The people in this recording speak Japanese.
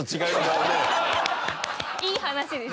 いい話ですよ。